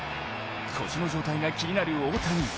腰の状態が気になる大谷。